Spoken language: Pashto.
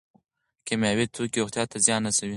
کیمیاوي توکي روغتیا ته زیان رسوي.